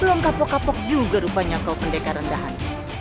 belum kapok kapok juga rupanya kau pendeka rendahan